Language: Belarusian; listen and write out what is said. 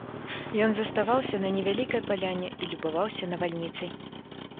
Ён заставаўся на невялікай паляне і любаваўся навальніцай.